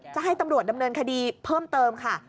จะให้ตำรวจดำเนินคดีเพิ่มเติมค่ะ